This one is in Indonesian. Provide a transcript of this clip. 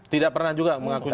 tidak pernah juga mengakunya